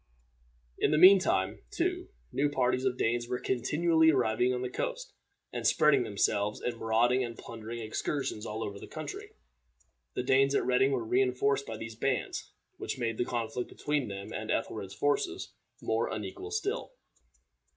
In the mean time, too, new parties of Danes were continually arriving on the coast, and spreading themselves in marauding and plundering excursions over the country. The Danes at Reading were re enforced by these bands, which made the conflict between them and Ethelred's forces more unequal still.